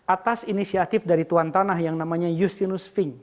atas inisiatif dari tuan tanah yang namanya justinus fink